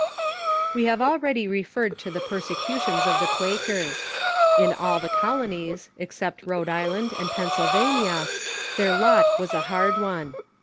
We have already referred to the persecutions of the Quak ers. In all the colonies, except Rhode Island and Pennsylva nia, their lot was a hard one.